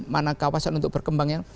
mana kawasan untuk berkembang yang